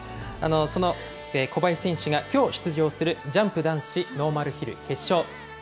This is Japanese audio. その小林選手がきょう出場するジャンプ男子ノーマルヒル決勝。